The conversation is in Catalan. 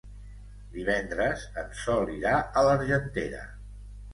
Divendres en Sol irà a l'Argentera.